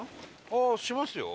ああしますよ。